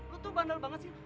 gue tuh bandel banget sih